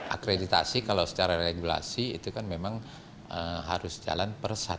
akreditasi kalau secara regulasi itu kan memang harus jalan per satu januari dua ribu sembilan belas